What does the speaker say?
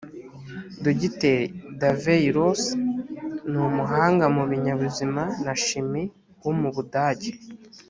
dogiteri davey loos ni umuhanga mu binyabuzima na shimi wo mu budage